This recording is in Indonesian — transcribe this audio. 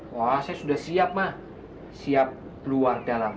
wah saya sudah siap ma siap luar dalam